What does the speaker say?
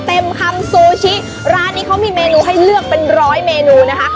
เต็มคำซูชิร้านนี้เขามีเมนูให้เลือกเป็นร้อยเมนูนะคะ